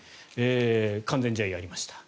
完全試合をやりました。